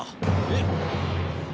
えっ？